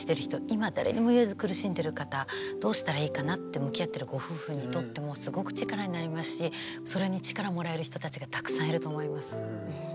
今誰にも言えず苦しんでる方どうしたらいいかなって向き合ってるご夫婦にとってもすごく力になりますしそれに力もらえる人たちがたくさんいると思います。